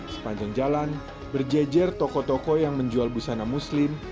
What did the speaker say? sepanjang jalan berjejer toko toko yang menjual busana muslim